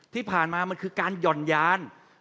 ที่ผ่านมามันคือการหย่อนยาน